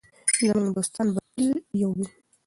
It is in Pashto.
زموږ دوستان به تل یو وي.